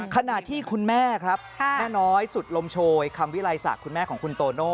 ขณะที่คุณแม่ครับแม่น้อยสุดลมโชยคำวิลัยศักดิ์คุณแม่ของคุณโตโน่